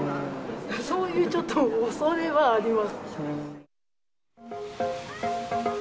そういうちょっと恐れはあります。